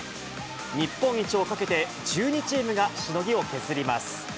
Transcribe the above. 日本一をかけて、１２チームがしのぎを削ります。